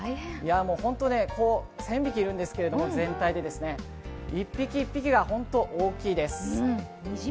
本当、全体で１０００匹いるんですけれども、１匹１匹が本当に大きいです。